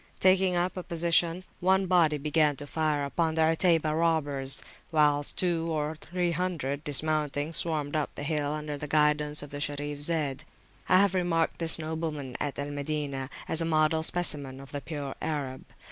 Taking up a position, one body began to fire upon the Utaybah robbers, whilst two or three hundred, dismounting, swarmed up the hill under the guidance of the Sharif Zayd. I had remarked this nobleman at Al Madinah as a model specimen of the pure Arab.